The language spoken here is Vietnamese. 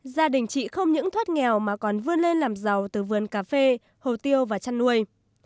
gia đình chị không những thoát nghèo mà còn vươn lên làm giàu từ vườn cà phê hồ tiêu và chăn nuôi